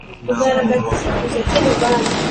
nta muntu wakubwiye